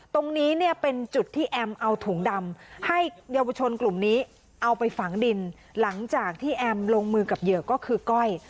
ตรงนี้เนี่ยเป็นจุดที่แอมเอาถุงดำให้เยาวชนกลุ่มนี้เอาไปฝังดินหลังจากที่แอมลงมือกับเหยื่อก็คือก้อย